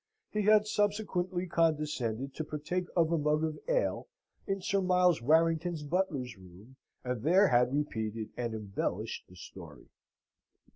He had subsequently condescended to partake of a mug of ale in Sir Miles Warrington's butler's room, and there had repeated and embellished the story.